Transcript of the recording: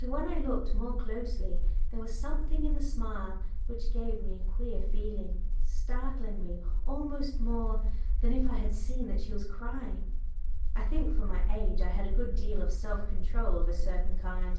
But when I looked more closely there was something in the smile which gave me a queer feeling, startling me almost more than if I had seen that she was crying. I think for my age I had a good deal of self control of a certain kind.